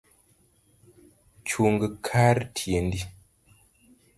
Chungkar tiendi